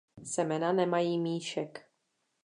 Semena nemají míšek.